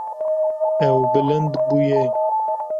Ew bilind bûye.